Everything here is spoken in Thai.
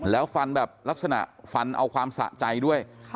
แล้วฟันแบบลักษณะฟันเอาความสะใจด้วย